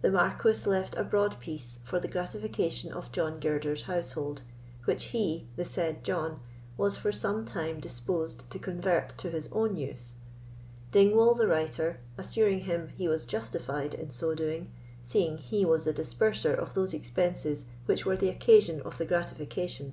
The Marquis left a broad piece for the gratification of John Girder's household, which he, the said John, was for some time disposed to convert to his own use; Dingwall, the writer, assuring him he was justified in so doing, seeing he was the disburser of those expenses which were the occasion of the gratification.